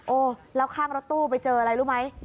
แล้วข้างรถตู้ไปเจออะไรรู้ไหม